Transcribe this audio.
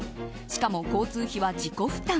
しかも、交通費は自己負担。